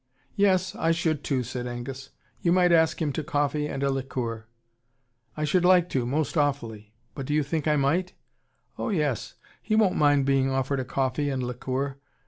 "Yes, I should, too," said Angus. "You might ask him to coffee and a liqueur." "I should like to most awfully. But do you think I might?" "Oh, yes. He won't mind being offered a coffee and liqueur.